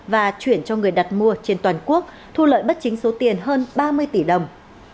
và chuyển cho người đặt mua trên toàn quốc thu lợi bất chính số tiền hơn ba mươi tỷ đồng